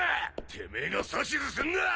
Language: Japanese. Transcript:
てめえが指図すんな！